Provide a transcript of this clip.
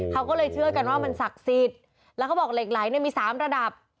เขาก็เลยเชื่อกันว่ามันศักดิ์สิทธิ์แล้วเขาบอกเหล็กไหลเนี่ยมี๓ระดับ